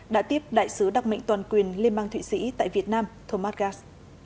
đã tiếp đại sứ đặc mệnh toàn quyền liên bang thụy sĩ tại việt nam thomas gass